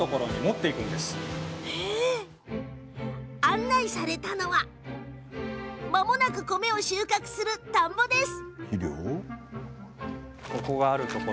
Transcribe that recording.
案内されたのはまもなく米を収穫する田んぼです。